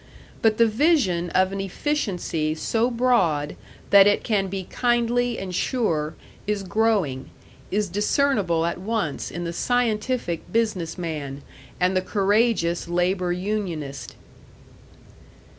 But the vision of an efficiency so broad that it can be kindly and sure, is growing is discernible at once in the scientific business man and the courageous labor unionist.